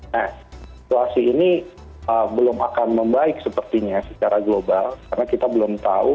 nah situasi ini belum akan membaik sepertinya secara global karena kita belum tahu